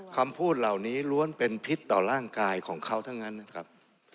คำพูดเหล่านี้ล้วนเป็นพิษต่อร่างกายของเขาทั้งนั้นนะครับ